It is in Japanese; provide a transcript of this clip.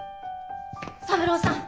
三郎さん